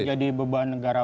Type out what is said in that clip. itu jadi beban negara